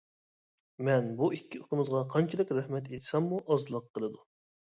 مەن بۇ ئىككى ئۇكىمىزغا قانچىلىك رەھمەت ئېيتساممۇ ئازلىق قىلىدۇ.